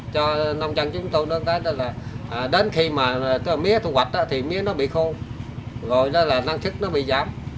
cho nông dân chúng tôi đó là đến khi mà mía thu hoạch thì mía nó bị khô rồi nó là năng chức nó bị giám